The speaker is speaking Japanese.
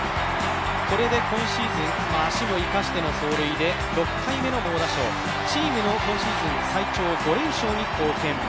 これで今シーズン、足も生かしての走塁で６回目の猛打賞、チームの今シーズン最長５連勝に貢献。